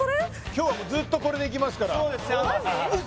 今日はもうずっとこれでいきますから